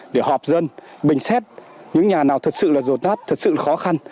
để họp dân bình xét những nhà nào thật sự là rột nát thật sự là khó khăn